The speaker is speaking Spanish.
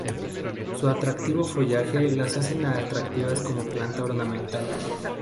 Su atractivo follaje las hacen atractivas como planta ornamental.